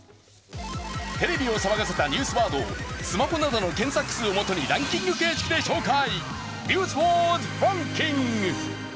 テレビを騒がせたニュースワードをスマホなどの検索数をもとにランキング形式で紹介。